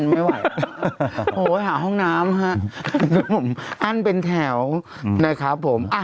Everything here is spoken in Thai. ไม่ไหวโอ้ยหาห้องน้ำอั้นเป็นแถวนะครับผมอ่ะ